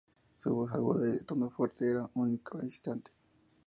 Su voz aguda y de tono fuerte era único e instante.